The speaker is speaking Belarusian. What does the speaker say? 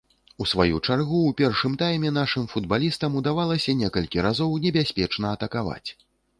У сваю чаргу ў першым тайме нашым футбалістам удавалася некалькі разоў небяспечна атакаваць.